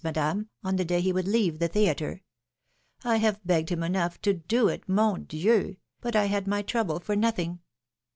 Madame, on the day he would leave the theatre. I have begged him enough to do it, mon Dieu! but I had my trouble for nothing.